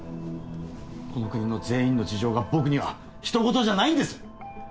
この国の全員の事情が僕には人ごとじゃないんです！